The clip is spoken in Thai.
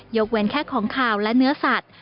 กเว้นแค่ของขาวและเนื้อสัตว์